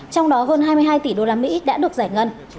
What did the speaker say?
trong đó hơn hai mươi hai tỷ usd đã được giải ngân